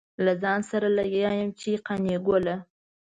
له ځان سره لګيا يم چې قانع ګله.